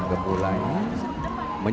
dan barang tanah